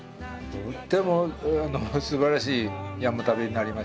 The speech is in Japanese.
とってもすばらしい山旅になりましたね。